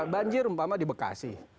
banjir umpama di bekasi